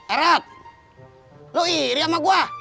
eret lu iri sama gua